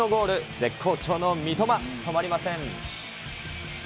絶好調の三笘、止まりません。